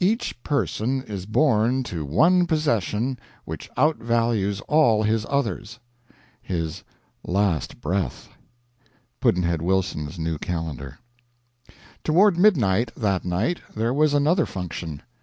Each person is born to one possession which outvalues all his others his last breath. Pudd'nhead Wilson's New Calendar. Toward midnight, that night, there was another function.